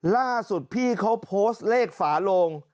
ล่าสุดพี่เขาโพสต์เลขฝาโลง